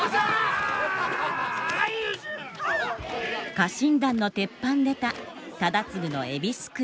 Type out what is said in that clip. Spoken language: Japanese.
家臣団の鉄板ネタ忠次の「海老すくい」。